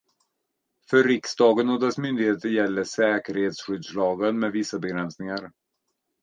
För riksdagen och dess myndigheter gäller säkerhetsskyddslagen med vissa begränsningar.